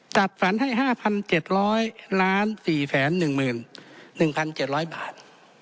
จัดฝันให้๕๗๐๐๔๑๑๗๐๐บาท